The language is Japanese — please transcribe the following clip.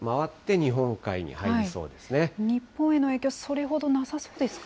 日本への影響、それほどなさそうですか？